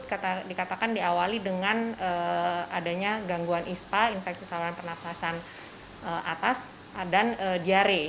dikatakan diawali dengan adanya gangguan ispa infeksi saluran pernafasan atas dan diare